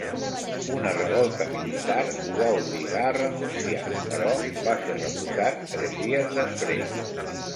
Una revolta militar ho va obligar a renunciar, però va ser reposat tres dies després.